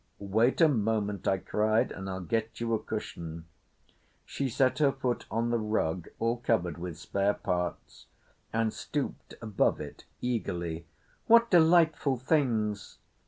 "Wait a moment," I cried, "and I'll get you a cushion." She set her foot on the rug all covered with spare parts, and stooped above it eagerly. "What delightful things!"